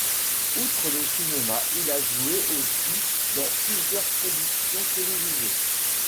Outre le cinéma, il a joué aussi dans plusieurs productions télévisées.